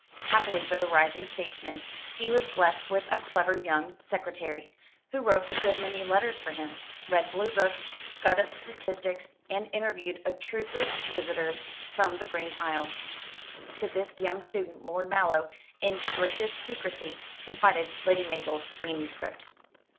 Happily for the rising statesman, he was blest with a clever young secretary, who wrote a good many letters for him, read blue books, got up statistics, and interviewed obtrusive visitors from the Green Isle. To this young student Lord Mallow, in strictest secrecy, confided Lady Mabel's manuscript.